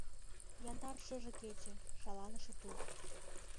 Яндар шыже кече — шаланыше тул.